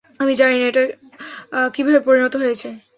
আমি জানি না এটা, কীভাবে পরিণত হয়েছে।